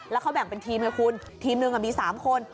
แล้วเขาแบ่งเป็นทีมไงคุณทีมหนึ่งมี๓คน